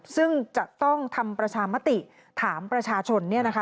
ซึ่งจะต้องทำประชามติถามประชาชน